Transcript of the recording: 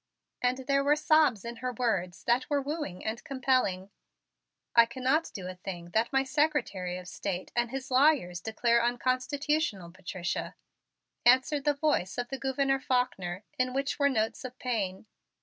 And there were sobs in her words that were wooing and compelling. "I cannot do a thing that my Secretary of State and his lawyers declare unconstitutional, Patricia," answered the voice of the Gouverneur Faulkner, in which were notes of pain.